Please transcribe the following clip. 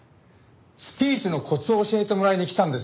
スピーチのコツを教えてもらいに来たんですけど。